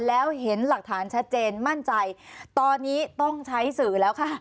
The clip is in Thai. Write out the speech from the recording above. แล้วเห็นหลักฐานชัดเจนมั่นใจตอนนี้ต้องใช้สื่อแล้วค่ะ